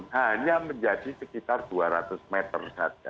hanya menjadi sekitar dua ratus meter saja